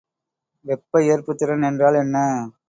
வெப்ப ஏற்புத்திறன் என்றால் என்ன?